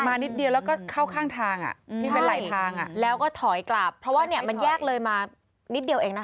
นิดเดียวแล้วก็เข้าข้างทางที่เป็นไหลทางแล้วก็ถอยกลับเพราะว่าเนี่ยมันแยกเลยมานิดเดียวเองนะคะ